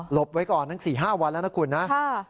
หลบไว้ก่อนนั่น๔๕วันแล้วนะคุณนะข้า